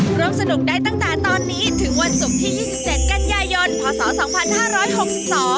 พร้อมสนุกได้ตั้งแต่ตอนนี้ถึงวันศุกร์ที่๒๗กันยายนพศ๒๕๖๒